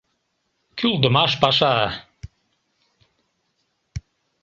Кӱлдымаш паша...